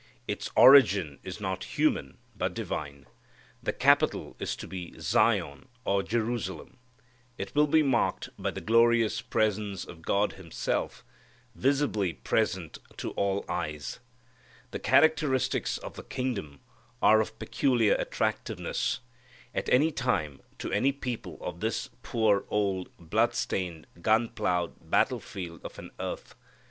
Its origin is not human, but divine. The capital is to be Zion or Jerusalem. It will be marked by the glorious presence of God Himself visibly present to all eyes. The characteristics of the kingdom are of peculiar attractiveness, at any time, to any people of this poor old blood stained, gun ploughed battle field of an earth.